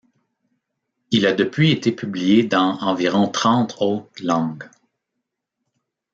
Il a depuis été publié dans environ trente autres langues.